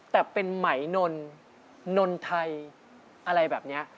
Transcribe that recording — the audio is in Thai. แต่เป็นไหมนนไทยอะไรแบบนี้